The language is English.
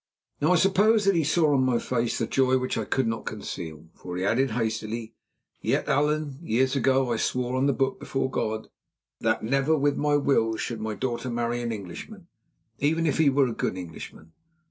Now I suppose that he saw on my face the joy which I could not conceal, for he added hastily: "Yet, Allan, years ago I swore on the Book before God that never with my will should my daughter marry an Englishman, even if he were a good Englishman.